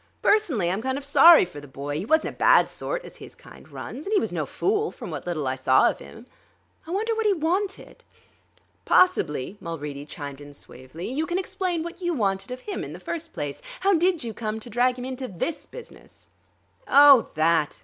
Personally I'm kind of sorry for the boy; he wasn't a bad sort, as his kind runs, and he was no fool, from what little I saw of him.... I wonder what he wanted." "Possibly," Mulready chimed in suavely, "you can explain what you wanted of him, in the first place. How did you come to drag him into this business?" "Oh, that!"